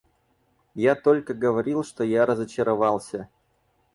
Я только говорил, что я разочаровался.